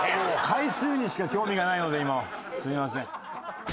回数にしか興味がないのでもうすいません。